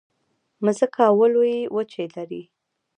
مځکه اوه لویې وچې لري.